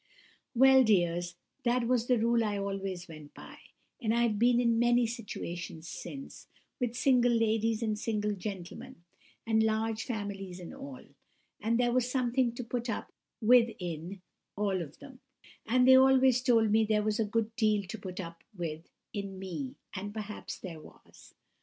"Well, dears, that was the rule I always went by, and I've been in many situations since—with single ladies, and single gentlemen, and large families, and all; and there was something to put up with in all of them; and they always told me there was a good deal to put up with in me, and perhaps there was.